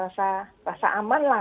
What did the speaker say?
rasa aman lah